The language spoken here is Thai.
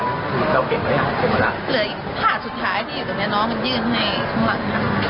เหลืออีกผ้าสุดท้ายที่อยู่ตรงเนี้ยน้องมันยื่นให้ข้างหลัง